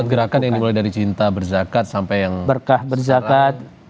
gerakan yang dimulai dari cinta berzakat sampai yang berkah berzakat